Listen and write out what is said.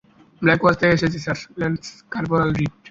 Black Watch থেকে এসেছি sir, lance corporal read.